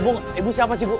bu ibu siapa sih bu